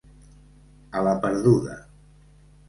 A la perduda.